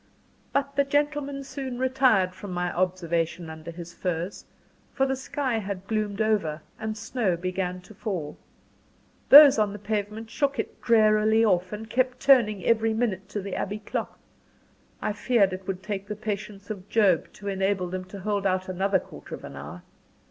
But the gentleman soon retired from my observation under his furs; for the sky had gloomed over, and snow began to fall. Those on the pavement shook it drearily off, and kept turning every minute to the Abbey clock I feared it would take the patience of Job to enable them to hold out another quarter of an hour.